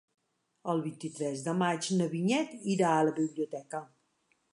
El vint-i-tres de maig na Vinyet irà a la biblioteca.